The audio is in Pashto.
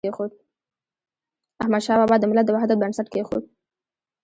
احمدشاه بابا د ملت د وحدت بنسټ کيښود.